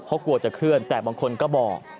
เพราะกลัวจะเคลื่อนแต่บางคนก็บอก